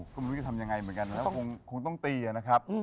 ก็ไม่รู้จะทำยังไงเหมือนกันนะคงต้องตีนะครับ